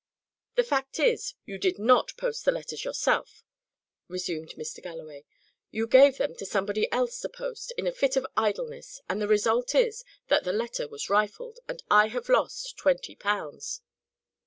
"The fact is, you did not post the letters yourself," resumed Mr. Galloway. "You gave them to somebody else to post, in a fit of idleness, and the result is, that the letter was rifled, and I have lost twenty pounds."